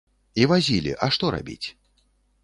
І вазілі, а што рабіць?